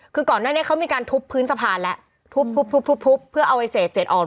คือก่อนหน้านี้เขามีการทุบพื้นสะพานแล้วทุบทุบเพื่อเอาไอเศษเสร็จออก